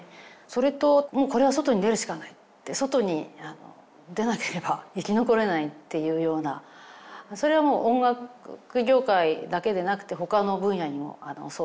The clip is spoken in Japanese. それともうこれは外に出るしかない外に出なければ生き残れないっていうようなそれはもう音楽業界だけでなくて他の分野にもそういった。